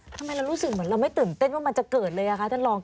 ทำไมเรารู้สึกเหมือนเราไม่ตื่นเต้นว่ามันจะเกิดเลยอ่ะคะท่านรอง